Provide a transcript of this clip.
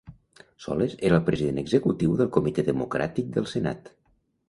Soles era el president executiu del Comitè Democràtic del Senat.